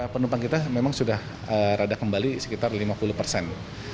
penumpang kita memang sudah rada kembali sekitar lima puluh persen